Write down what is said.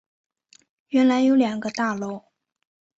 原来有两个大楼